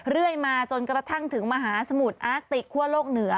เรื่อยมาจนกระทั่งถึงมหาสมุทรอาร์ติกคั่วโลกเหนือ